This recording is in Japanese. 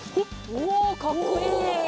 おかっこいい！